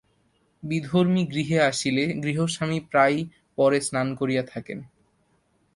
বিধর্মী গৃহে আসিলে গৃহস্বামী প্রায়ই পরে স্নান করিয়া থাকেন।